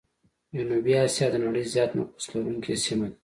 جنوبي آسيا د نړۍ زيات نفوس لرونکي سيمه ده.